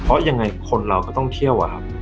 เพราะยังไงคนเราก็ต้องเที่ยวอะครับ